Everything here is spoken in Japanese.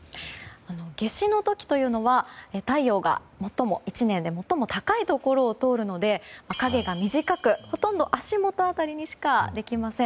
夏至の時というのは太陽が１年で最も高いところを通るので影が短く、ほとんど足元辺りにしかできません。